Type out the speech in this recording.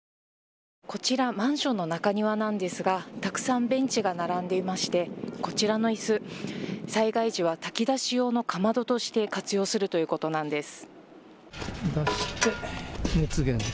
こちら、マンションの中庭なんですがたくさんベンチが並んでいましてこちらのいす、災害時は炊き出し用のかまどとして活用するということなんです。